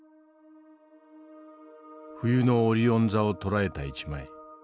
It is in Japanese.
冬のオリオン座を捉えた一枚。